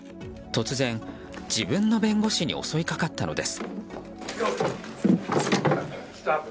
突然、自分の弁護士に襲いかかったのです。